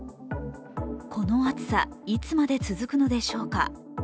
この暑さ、いつまで続くのでしょうか。